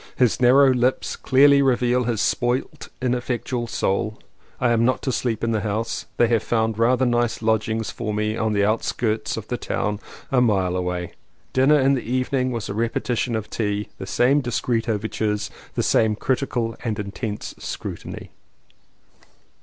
His narrow lips clearly reveal his spoilt in effectual soul. I am not to sleep in the house; they have found rather nice lodgings 206 LLEWELLYN POWYS for me on the outskirts of the town a mile away. Dinner in the evening was a repeti tion of tea, the same discreet overtures, the same critical and intense scrutiny.